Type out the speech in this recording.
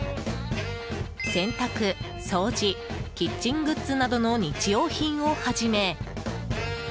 洗濯、掃除キッチングッズなどの日用品をはじめ。